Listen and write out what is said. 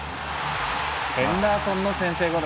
ヘンダーソンの先制ゴール。